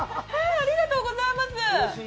ありがとうございます！